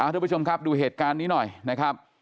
ทุกผู้ชมครับดูเหตุการณ์นี้หน่อยนะครับ